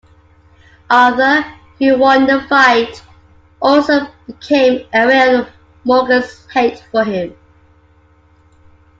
Arthur, who won the fight, also became aware of Morgan's hate for him.